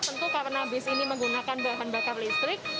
tentu karena bis ini menggunakan bahan bakar listrik